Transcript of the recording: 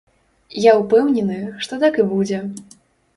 Я ўпэўнены, што так і будзе!